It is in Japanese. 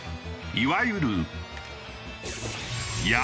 いわゆる。